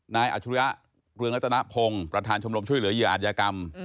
นายอัชริยะเรืองรัฐนาพงศ์ประธานชมรมช่วยเหลือเยี่ยงอาจญากรรม